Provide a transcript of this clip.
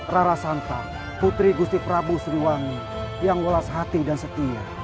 rarasantang putri gusti prabu siliwangi yang wulas hati dan setia